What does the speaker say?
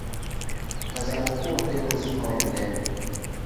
Mtazamo huo ndio uzima wa milele.